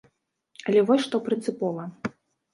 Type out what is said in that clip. Але вось што прынцыпова.